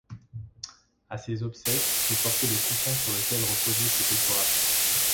À ses obsèques j'ai porté le coussin sur lequel reposaient ses décorations.